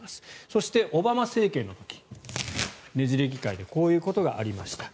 そしてオバマ政権の時ねじれ議会でこういうことがありました。